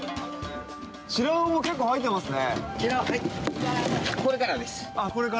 シラウオ結構入ってますね！